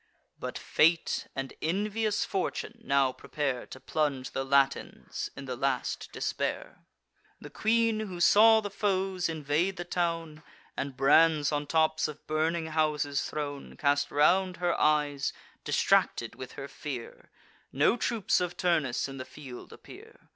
But fate and envious fortune now prepare To plunge the Latins in the last despair. The queen, who saw the foes invade the town, And brands on tops of burning houses thrown, Cast round her eyes, distracted with her fear— No troops of Turnus in the field appear.